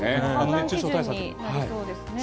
判断基準になりそうですね。